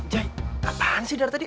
joy kapan sih dari tadi